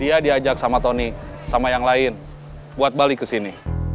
dia diajak sama tony sama yang lain buat balik ke sini